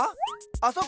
あそこ？